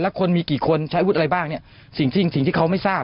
แล้วคนมีกี่คนใช้อาวุธอะไรบ้างเนี่ยสิ่งที่สิ่งที่เขาไม่ทราบ